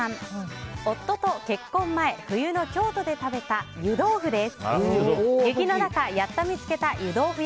夫と結婚前冬の京都で食べた湯豆腐です。